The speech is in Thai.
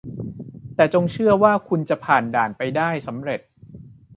แต่จงเชื่อว่าคุณจะผ่านด่านไปได้สำเร็จ